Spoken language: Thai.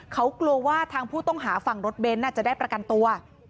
เขากลัวว่าทางผู้ต้องหาฝั่งรถเบนท์จะได้ประกันตัว